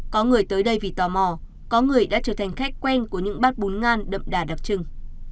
có người tới đây vì tò mò có người đã trở thành khách quen của những bát bún ngan đậm đà đặc trưng